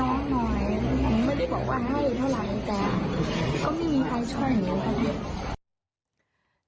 ไม่ได้บอกว่าให้เท่าไรแต่ก็ไม่มีใครช่วยอย่างนี้ค่ะ